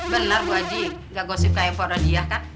bener bu aji nggak gosip kayak bu rodi ya kan